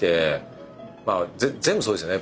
まあ全部そうですよね。